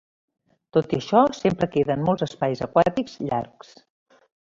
Tot i això, sempre queden molts espais aquàtics llargs.